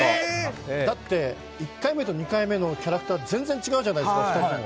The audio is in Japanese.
だって１回目と２回目のキャラクター全然違うじゃないですか２人とも。